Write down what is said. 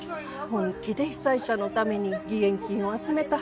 本気で被災者のために義援金を集めてはったって。